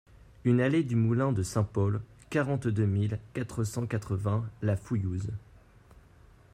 un allée du Moulin de Saint-Paul, quarante-deux mille quatre cent quatre-vingts La Fouillouse